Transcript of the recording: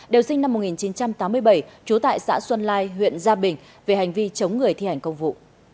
đều sinh năm một nghìn chín trăm tám mươi bảy trú tại xã xuân lai huyện gia bình về hành vi chống người thi hành công vụ